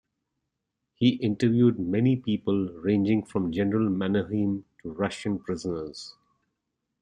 He interviewed many people ranging from General Mannerheim to Russian prisoners.